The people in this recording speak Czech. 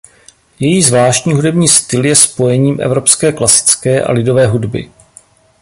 Její zvláštní hudební styl je spojením evropské klasické a lidové hudby.